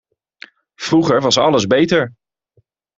Vroeger was alles beter.